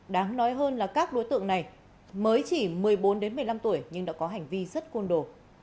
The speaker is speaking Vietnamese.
đáng nói hơn là các đối tượng này mới chỉ một mươi bốn một mươi năm tuổi nhưng đã có hành vi rất côn đồ